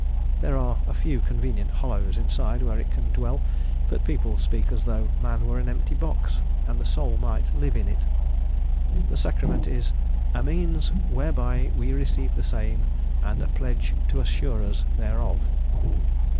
There are few convenient hollows inside where it can dwell, but people speak as though man were an empty box, and the soul might live in it. The sacrament is "a means whereby we receive the same, and a pledge to assure us thereof."